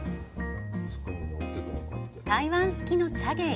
台湾式の茶芸。